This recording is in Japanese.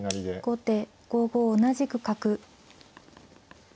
後手５五同じく角。